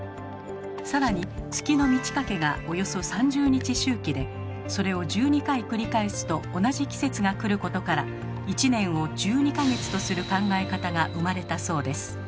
更に月の満ち欠けがおよそ３０日周期でそれを１２回繰り返すと同じ季節が来ることから１年を１２か月とする考え方が生まれたそうです。